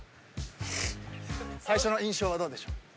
最初の印象はどうでしょう？